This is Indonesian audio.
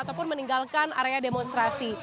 ataupun meninggalkan area demonstrasi